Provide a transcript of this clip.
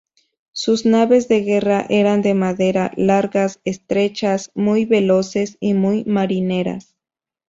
Sus naves de guerra eran de madera, largas, estrechas, muy veloces y muy marineras.